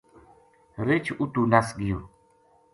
رچھ اُتو نس گیو